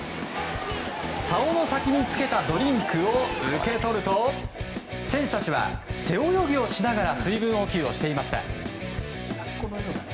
さおの先につけたドリンクを受け取ると選手たちは背泳ぎをしながら水分補給をしていました。